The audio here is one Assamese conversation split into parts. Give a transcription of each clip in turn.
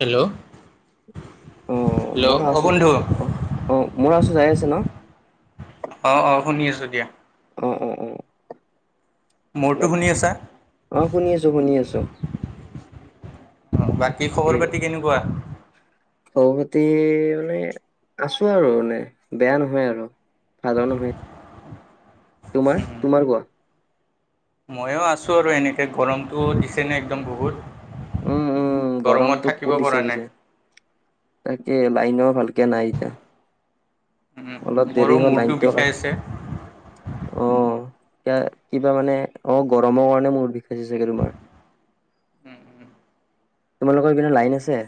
হেল্ল', অ', হেল্ল' মোৰ অ' আছো বন্ধু? অ', অ' মোৰ আৱাজটো যাই আছে ন'? অ', অ' শুনি আছোঁ দিয়া। অ', অ', অ'। মোৰটো বাক শুনি আছা? অ' শুনি আছোঁ শুনি আছোঁ। বাকী খবৰ পাতি কেনেকুৱা? খবৰ পাতি মানে আছোঁ আৰু মানে, বেয়া নহয় আৰু। নাজানো বে, তোমাৰ তোমাৰ কোৱা? ময়ো আছোঁ আৰু এনেকে গৰমটো দিছেনে একদম বহুত। উম, উম, গৰমত গৰমতটো থাকিব বহুত দিছে পৰা নাই পিছে, তাকে লাইন' ভালকে নাই এতিয়া। অলপ দেৰি মোৰো হ'ল মূৰটো লাইনটো বিষাই আছে। অ' এয়া কিবা মানে অ' গৰমৰ কাৰণে মূৰ বিষায় চাগে তোমাৰ। তোমালোকৰ পিনে লাইন আছে?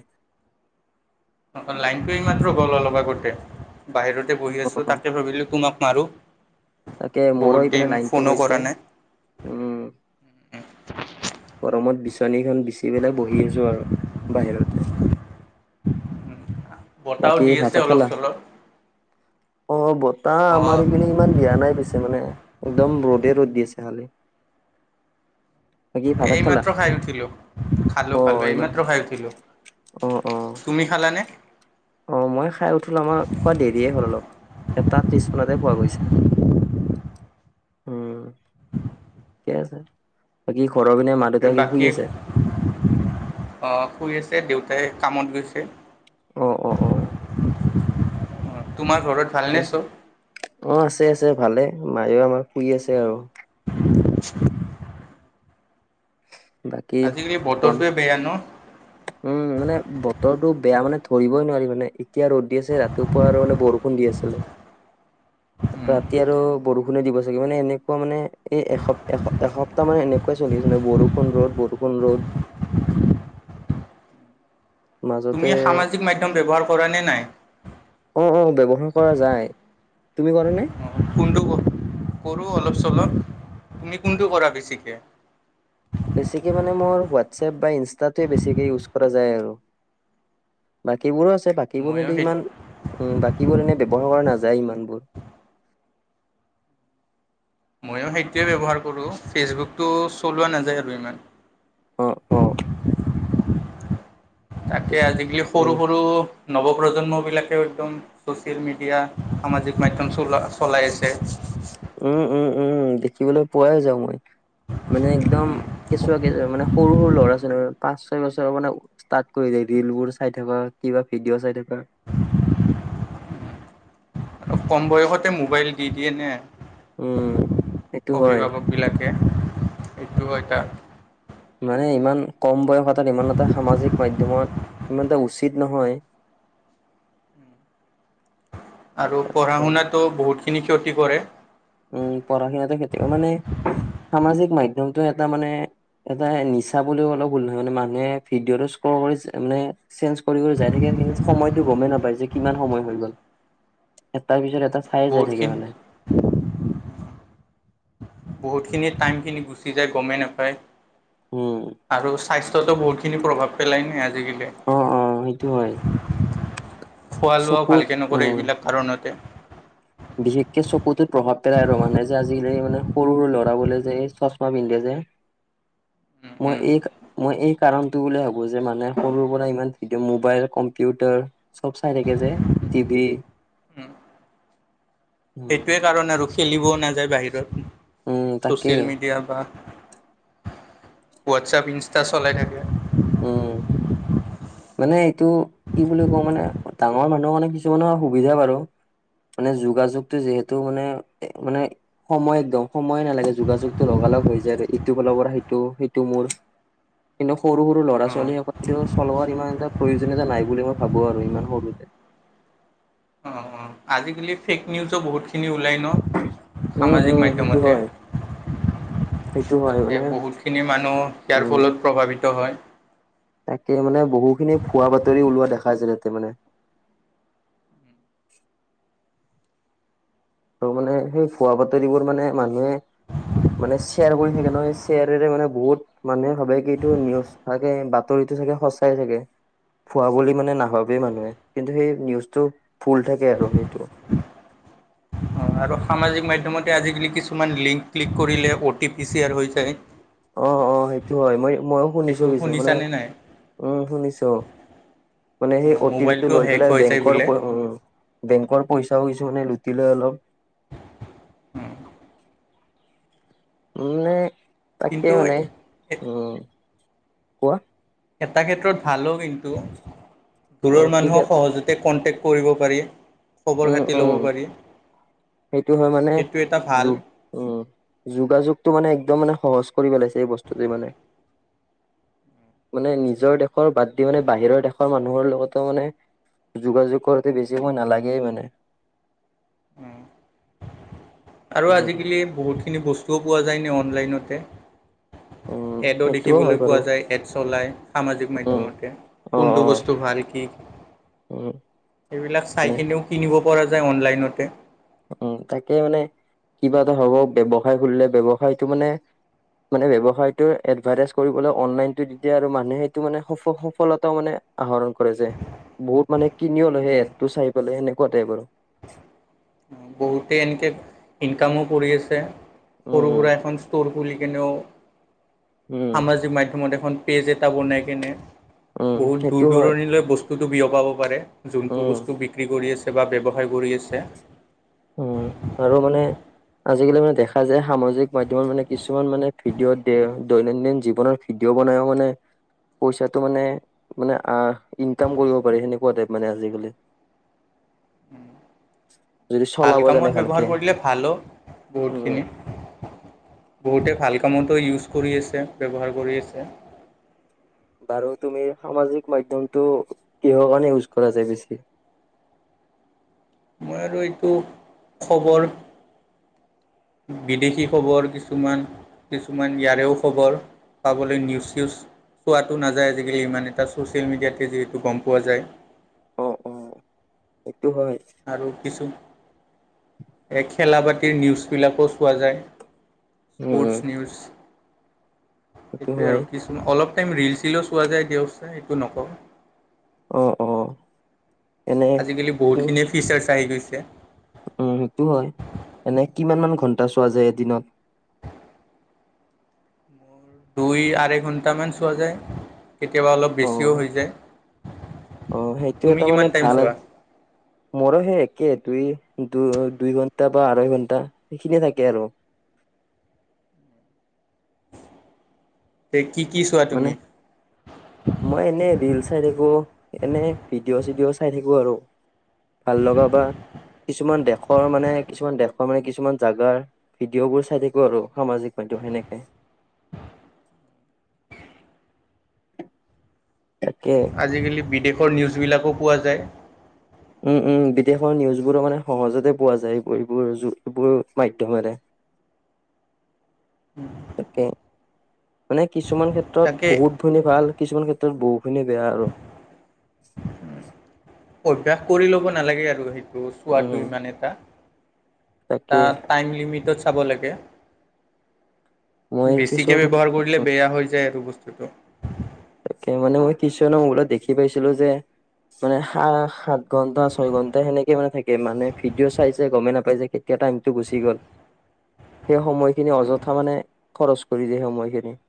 লাইনটো এইমাত্ৰ গ'ল অলপ আগতে, বাহিৰতে বহি আছোঁ অ', তাকে ভাবিলোঁ তোমাক মাৰোঁ, তাকে মোৰো বহুত ইপিনে দিন লাইনটো ফোনো গৈছে কৰা নাই। উম, গৰমত বিচনীখন বিচি পেলাই বহি আছো আৰু। বাহিৰতে। বতাহও বাকি দি ভাত আছে চাত অলপ খালা? চলপ অ' বতাহ অ আমাৰ ইপিনে ইমান দিয়া নাই পিছে, মানে একদম ৰ'দে ৰ'দ দি আছে খালি। বাকী ভাত চাত খালা এইমাত্ৰ খাই উঠিলোঁ। খালো অ খালো, ইমান এইমাত্ৰ খাই উঠিলো। অ', অ'। অ' মই খাই উঠিলোঁ, আমাৰ খোৱা দেৰিয়ে হ'ল অলপ এটা ত্ৰিশ মিনতে খোৱা গৈছে। উম। ঠিকে আছে। বাকী ঘৰৰ পিনে মাক বাকী, শুই আছে, দেউতাই কামত গৈছে। অ', অ', অ'। অ' তোমাৰ ঘৰত ঠিকে ভালনে আছে। চব? অ' আছে আছে ভালে, মায়ও আমাৰ শুই আছে আৰু। [inaudible] বাকী আজিকালি বন বতৰটোৱে বেয়া উম, ন'? মানে বতৰটো বেয়া মানে ধৰিবই নোৱাৰি মানে এতিয়া ৰ'দ দি আছে, ৰাতিপুৱা আৰু মানে বৰষুণ দি আছিলে। [inaudible] ৰাতি আৰু বৰষুণে দিব চাগে, মানে এনেকুৱা মানে এই এস এ, এসপ তামানে এনেকুৱাই চলিছে যেনে বৰষুণ ৰ'দ, বৰষুণ ৰ'দ। তুমি মাজতে সামাজিক মাধ্যম ব্যৱহাৰ কৰা নে নাই? অ', অ' ব্যৱহাৰ কৰা যায়। তুমি কৰা নে? কোনটো কৰোঁ অলপ চলপ, তুমি কোনটো কৰা বেছিকৈ? বেছিকে মানে মোৰ হোৱাটছএপ বা ইনষ্টাটোৱে বেছিকে ইউজ কৰা যায় আৰু। বাকীবোৰো আছে বাকীবোৰ ময়ো কিন্তু সেই ইমান উম বাকীবোৰ এনে ব্যৱহাৰ কৰা নাযায় ইমানবোৰ। ময়ো সেইটোৱে ব্যৱহাৰ কৰোঁ, ফেচবুকটো চলোৱা নাযায় আৰু ইমান। অ', অ'। তাকে পিছে আজিকালি সৰু উম সৰু নৱ প্ৰ্জন্ম বিলাকেও একদম চচিয়েল মিডিয়া সামাজিক মাধ্যম চ চলাই আছে। উম, উম, উম, উম দেখিবলৈ পোৱাই যাও মই, মানে একদম কেঁচুৱা কেুৱা মানে সৰু সৰু ল'ৰা ছোৱালী পাঁচ ছয় বছৰৰ মানে ষ্টাৰ্ট কৰিলে ৰীল বোৰ চাই থকা, কিবা ভিডিঅ' চাই থকা কম বয়সতে মোবাইল দি দিয়ে ন উম সেইটো হয় অভিভাৱক বিলাকে, এইটো এটা মানে ইমান কম বয়স তাত ইমান এটা সামাজিক মাধ্যমত ইমান এটা উচিত নহয়। আৰু পঢ়া শুনাতো বহুতখিনি ক্ষতি কৰে। উম পঢ়া শুনাতে ক্ষতি মানে? সামাজিক মাধ্যমটো এটা মানে এটা নিচা বুলিও অলপ ভুল নহয়। মানে মানুহে ভিডিঅ'টো স্ক কৰি মানে চেঞ্জ কৰি কৰি যাই থাকে কি সময়টো গমেই নাপায় যে কিমান সময় হৈ গ'ল। এটাৰ পিছত এটা চাইে যাই থাকে বহুতখিনি মানে। বহুতখিনি টাইমখিনি গুচি যায় গমেই নাপায়। উম আৰু স্বাস্থ্যতো বহুতিনি প্ৰভাৱ পেলাইনে। আজিকালি অ', অ' সেইটো হয়। খোৱা লোৱাও চকুত ভালকে নকৰে উম এইবিলাক কাৰণতে। বিশেষকে চকুতোত প্ৰভাৱ পেলাই আৰু মানে, যে আজিকালি মানে সৰু সৰু ল'ৰা বোলে যে এই চছমা পিন্ধে যে। [unintelligible] উম মোৰ উম এক মই এই কাৰণটো বুলি ভাবো। যে মানে সৰুৰ পৰা ইমান ভিডিঅ মোবাইল কম্পিউটাৰ চব চাই থাকে যে, টিভি উম উম সেইটোৱে কাৰণ আৰু, খেলিবও নাযায় বাহিৰত, উম তাকে ছচিয়েল মিডিয়া বা হোৱাটছআপ ইনষ্টা চলাই থাকে। উম [unintelligible] মানে এইটো কি বুলি কওঁ, মানে ডাঙৰ মানুহৰ মানে কিছুমানৰ সুবিধা বাৰু মানে যোগাযোগটো যিহেতু মানে মানে সময় একদম সময়ে নালাগে যোগাযোগটো লগালগ হৈ যায়, ইটো ফালৰ পৰা সেইটো সেইটো মোৰ কিন্তু সৰু ৰু ল'ৰা অঁ ছোৱালী সকলেটো চলোৱাৰ ইমান এটা প্ৰয়োজনীয়তা নাই বুলি মই ভাবো আৰু ইমান সৰুতে। অঁ অঁ আজিকালি ফে'ক নিউজো বহুতখিনি ওলায় ন উম সামাজিক উম সেইটো মাধ্যমতে? হয় সেইটো হয় তাকে মানে বহুতখিনি মানুহ ইয়াৰ উম ফলত প্ৰভাৱিত হয়। তাকে মানে বহুখিনি ভুৱা বাতৰি ওলোৱা দেখা যায় তাতে মানে। আৰু মানে সেই ভুৱা বাতৰিবোৰ মানে মানুহে মানে শ্বেয়াৰ কৰি থাকে নহয়, শ্বেয়াৰৰে মানে বহুত মানুহে ভবে কি এইটো নিউজ থাকে বাতৰিটো চাগে সঁচাই থাকে। ভুৱা বুলি মানে নাভাবেই মানুহে, কিন্তু সেই নিউজটো ভুল থাকে আৰু সেইটো। অ' আৰু সামাজিক মাধ্যমতে আজিকালি কিছুমান লিংক ক্লিক কৰিলে অ' টি পি শ্বেয়াৰ হৈ যায়। অ', অ' সেইটো হয় মই ময়ো সেইটো শুনিছো পিছে মানে শুনিছানে নাই? উম শুনিছো। মানে সেই অ' টি পি টো মোবাইলটো লৈ হেক পেলাই হৈ যায় বেংকৰ বোলে। বেংকৰ পইচাওঁ কিছুমানে লুটি লয়, অলপ মানে তাকে কিন্তু মানে উম কোৱা? এটা ক্ষেত্ৰত ভালো কিন্তু, উম দূৰৰ ঠিক মানুহক আছে সহজতে কণ্টেক্ট কৰিব পাৰি, খবৰ উম খাতি ল'ব উম পাৰি, সেইটো হয় মানে সেইটো এটা যো ভাল। উম, যোগাযোগতটো মানে একদম মানে সহজ কৰি পেলাইছে এই বস্তুটোৱে মানে। মানে নিজৰ দেশৰ বাদ দি মানে বাহিৰৰ দেশৰ মানুহৰ লগতো মানে। যোগাযোগ কৰোতে বেছি সময় নালাগেই মানে। আৰু উম আজিকালি বহুতখিনি বস্তুও পোৱা যায়নে অনলাইনতে। উম এডো সেইটোও হয় দেখিবলৈ বাৰু পোৱা যায়, এডচ ওলায় সামাজিক উম মাধ্যমতে। অ' কোনটো অ' বস্তু ভাল কি উম সেইবিলাক চাই নে কিনেও কিনিব পৰা যায় অনলাইনতে। উম, তাকে মানে কিবা এটা হ'ব ব্যৱসায় খুলিলে, ব্যৱসায়তটো মানে মানে ব্যৱসায়টো এডভাৰটাইজ কৰিবলৈ অনলাইনতটো দি দিয়ে আৰু মানুহে সেইটো মানে স সফলতা মানে আহৰণ কৰে যে, বহুত মানে কিনিও লয়, সেই এডতটো চাই পেলাই সেনেকুৱা টাইপ আৰু। বহুতেই এনেকৈ ইনকামো কৰি আছে, সৰু উম, সুৰা এখন ষ্ট'ল। খুলি কেনেও উম, সামাজিক মাধ্যমত এখন পেজ এটা বনাই কেনে। উম, বহুত সেইটো দূৰ হয় দূৰণিলৈ বস্তুতটো বিয়পাব পাৰে, যোনটো উম, বস্তু বিক্ৰী কৰি আছে। বা ব্যৱসায় কৰি আছে। উম, আৰু মানে। আজিকালি মানে দেখা যায়। সামাজিক মাধ্যমত মানে কিছুমান মানে ভিডিঅ' দৈনন্দিন জীৱনত। ভিডিঅ' বনাই মানে পইচাটো মানে মানে আ ইনকাম কৰিব পাৰি। সেনেকুৱা টাইপ মানে আজিকালি। যদি চলাব জানে আলিকামত ভালকে ব্যৱহাৰ কৰিলে। ভালো উম, বহুতখিনি বহুতে ভাল কামতো ইউজ কৰি আছে, ব্যৱহাৰ কৰি আছে। বাৰু তুমি সামাজিক মাধ্যম টো কিহৰ কাৰণে ইউজ কৰা যায় বেছি। মই আৰু এইটো খবৰ বিদেশী খবৰ কিছুমান। কিছুমান ইয়াৰেও খবৰ পাবলৈ নিউজ চিউজ। চোৱাটো নাযায়। আজিকালি ইমান এটা ছ'চিয়েল মিডিয়াত যিহেতু গ'ম পোৱা যায়। অ' অ' সেইটো হয়। আৰু কিছু। এই খেলা পাতিৰ নিউজবিলাকো চোৱা যায়। উম, স্পৰ্টছ নিউজ। সেইটো সেইটোৱে আৰু হয় কিছোন অলপ টাইম ৰিল চিলো চোৱা যায় দিয়কচোন, সেইটো নকওঁ। অ' অ' এনে আজিকালি কি বহুতখিনিয়ে ফিচাৰ্ছ আহি গৈছে। উম, সেইটো হয়, এনে কিমান মান ঘণ্টা চোৱা যায় এদিনত। মোৰৰ দুই আঢ়ৈ ঘণ্টামান চোৱা যায়। কেতিয়াবা অলপ বেছিও অ', হৈ যায়। অ', তুমি কিমান টাইম চোৱা? মোৰ হে একে দুই দু দুই ঘন্টা বা আঢ়ৈ ঘণ্টা সেইখিনিয়ে থাকে আৰু। এই কি কি চোৱা মানে তুমি? মই এনেই ৰিল চাই থাকো, এনে ভিডিঅ' চিডিঅ' চাই থাকো আৰু। ভাল লগা বা কিছুমান দেশৰ মানে, কিছুমান দেশৰ মানে কিছুমান জাগাৰ। ভিডিঅ' বোৰ চাই থাকো আৰু সামাজিক মাধ্যম সেনেকে। তাকে আজিকালি বিদেশৰ নিউজ বিলাকো পোৱা যায়। উম, উম, বিদেশৰ নিউজবোৰো মানে সহজতে পোৱা যায় এইোৰ এইবোৰ এইবোৰ মাধ্যমেৰে। [unintelligible] তাকে, মানে কিছুমান ক্ষেত্ৰত তাকে বহুত মানে ভাল। কিছুমান ক্ষেত্ৰত বহুখিনি বেয়া আৰু। অভ্যাস কৰি ল'ব নালাগে আৰু সেইটো আৰু চোৱাটো উম ইমান এটা তাকে এটা টাইম লিমিটেত চাব লাগে। মই বেছিকে কিছুমান ব্যৱহাৰ কৰিলে বেয়া হৈ যায় আৰু বস্তুটো। মানে মই কিছুমানৰ মোবাইল ত দেখি পাইছিলো যে। মানে স, সাত ঘণ্টা ছয় ঘণ্টা সেনেকে মানে থাকে মানুহে ভিডিঅ' চাইছে গমেই নাপাইছে কেইটা টাইমটো গুচি গ'ল। [unintelligible] সেই সময়খিনি অয'থা মানে খৰচ কৰি দিয়ে সেই সময়খিনি।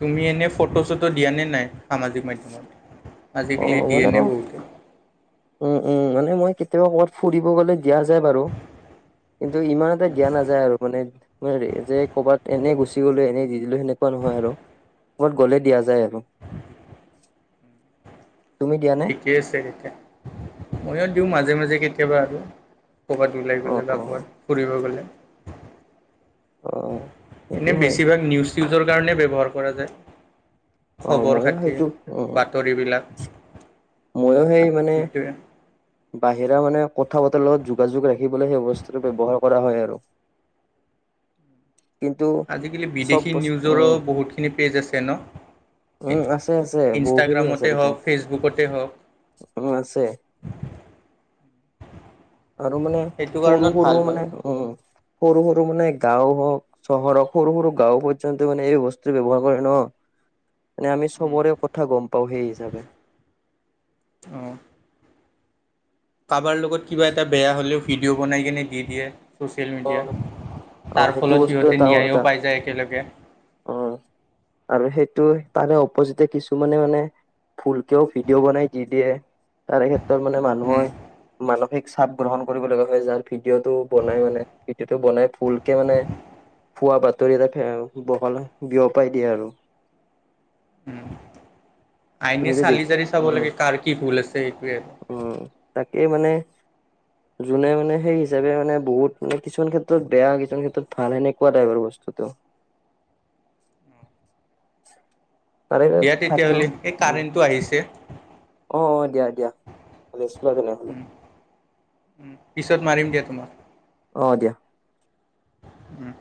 তুমি এনেই ফটো চটো দিয় নে নাই সামাজিক মাধ্যমত, অ আজিকালি দিয়ে মানে ন মোক বহুতে। উম, উম, মানে মই কেতিয়াবা ক'ৰবাত ফুৰিব গ'লে দিয়া যায় বাৰু। কিন্তু ইমান এটা দিয়া নাযায় আৰু মানে। যে ক'ৰবাত এনে গুচি গ'লো এনে দি দিলো সেনেকুৱা নহয় আৰু। ক'ত গ'লে দিয়া যায় আৰু। [unintelligible] তুমি দিয়ান ঠিকে আছে এতিয়া, ময়ো দিওঁ মাজে মাজে কেতিয়াবা আৰু। ক'ৰবাত ওলাই অ গ'লে বা অ ক'ৰবাত ফুৰিব গ'লে। অ সেইটো এনেই হয় বেছিভাগ নিউজ চউজৰ কাৰণে ব্যৱহাৰ কৰা যায়। অ খবৰ ময়ো খাতি সেইটো বাতৰিবিলাক। মইো সেই মানে, সেইটোৱে বাহিৰা মানে। কথা বতৰা লগত যোগাযোগ ৰাখিবলৈ সেই বস্তুটো ব্যৱহাৰ কৰা হয় আৰু। কিন্তু আজিকালি চব বিদেশী বস্তু নিউজৰো উম বহুতখিনি পেজ আছে ন। উম আছে আছে বহুখিনি ইনষ্টাগ্ৰামতে হ'ওক ফেচবুকতে হ'ওক। অ, আছে। আৰু মানে সেইটো সৰু কাৰণত সৰু ভাল হয়। মানে উম, সৰু সৰু মানে গাওঁ হ'ওক। চহৰৰ সৰু সৰু গাঁও পৰ্যন্ত মান এই বস্তু ব্যৱহাৰ কৰে ন। মানে আমি চবৰে কথা গম পাওঁ সেই হিচাপে। অ, কাবাৰ লগত কিবা এটা বেয়া হ'লেও ভিডিঅ' বনাই কিনে দি দিয়ে। ছ'চিয়েল মিডিয়াত অ তাৰ সেইটো ফলত বস্তু সিহঁতে এটা ন্যায়ো এটা পাই যায় একেলগে। অ আৰু সেইটো তাৰে অপজিতে কিছুমানে মানে। ফুলকেও ভিডিঅ বনাই দি দিয়ে তাৰে ক্ষেত্ৰত মানে উম মানুহৰ মানসিক। চাপ গ্ৰহণ কৰিব লগা হয় যাৰ ভিডিঅ' টো বনাই মানে ভিডিঅ'টো বনাই ফুলকে মানে। খোৱা বাতৰি এটা বহল বিয়পাই দিয়ে আৰু। উম, আইনে তুমিতো দেখি চালি-জাৰি চাব উম লাগে কাৰ কি ভুল আছে সেইটোৱে আৰু। উম, তাকে মানে। যোনে মে সেই হিচাপে মানে বহুত মানে কিছুমান ক্ষেত্ৰত বেয়া, কিছুমান ক্ষেত্ৰত ভাল হেনেক [unintelligible] তাৰে দিয়া থাকেও তেতিয়াহ'লে এই উম, কাৰেণ্টটো আহিছে। অ, অ, দিয়া দিয়া, ৰেছ লোৱা তেনে হ'লে। উম, উম, পিছত মাৰিম দিয়া তোমাক। অ, দিয়া। উম,